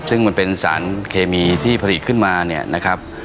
ซึ่งมันเป็นสารเคมีที่ผลิตขึ้นมา